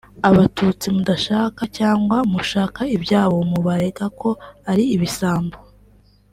Abatutsi mudashaka cyangwa mushaka ibyabo mubarega ko ari ibisambo